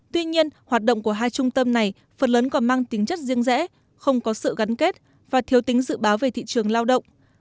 tuy nhiên hoạt động của hai trung tâm này phần lớn còn mang tính chất riêng rẽ không có sự gắn kết và thiếu tính dự báo về thị trường lao động